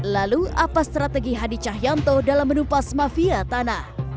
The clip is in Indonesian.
lalu apa strategi hadi cahyanto dalam menupas mafia tanah